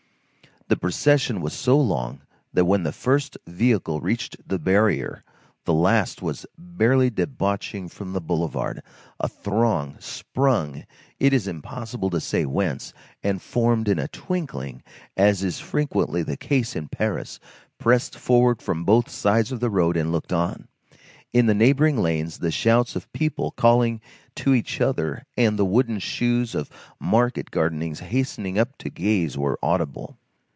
This procession was so long that when the first vehicle reached the barrier, the last was barely debauching from the boulevard. A throng, sprung, it is impossible to say whence, and formed in a twinkling, as is frequently the case in Paris, pressed forward from both sides of the road and looked on. In the neighboring lanes the shouts of people calling to each other and the wooden shoes of market gardeners hastening up to gaze were audible.